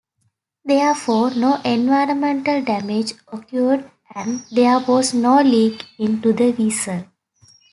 Therefore, no environmental damage occurred and there was no leak into the vessel.